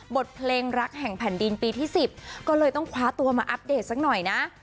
บทเพลงรักแห่งแผ่นดินปีที่๑๐ก็เลยต้องคว้าตัวมาอัปเดตสักหน่อยนะ